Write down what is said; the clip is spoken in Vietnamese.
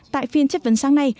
tại phiên chức vận sáng nay